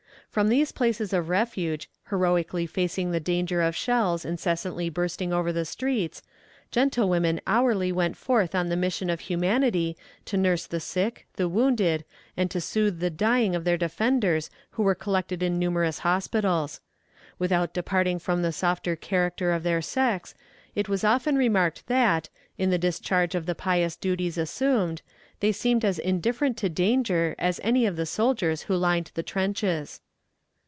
From these places of refuge, heroically facing the danger of shells incessantly bursting over the streets, gentlewomen hourly went forth on the mission of humanity to nurse the sick, the wounded, and to soothe the dying of their defenders who were collected in numerous hospitals. Without departing from the softer character of their sex, it was often remarked that, in the discharge of the pious duties assumed, they seemed as indifferent to danger as any of the soldiers who lined the trenches.